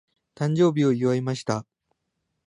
誕生日を祝いました。